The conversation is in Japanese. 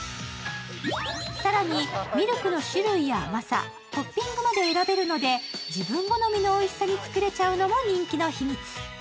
更にミルクの種類や甘さ、トッピングまで選べるので自分好みのおいしさに作れちゃうのも人気の秘密。